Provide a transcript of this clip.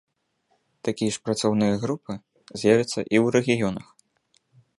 Такія ж працоўныя групы з'явяцца і ў рэгіёнах.